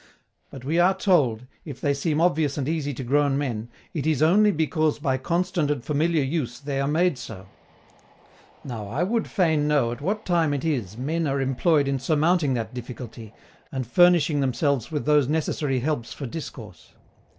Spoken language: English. But, we are told, if they seem obvious and easy to grown men, IT IS ONLY BECAUSE BY CONSTANT AND FAMILIAR USE THEY ARE MADE SO. Now, I would fain know at what time it is men are employed in surmounting that difficulty, and furnishing themselves with those necessary helps for discourse.